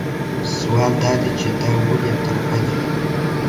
سوال دا دی چې دا ولې یو طرفه دي.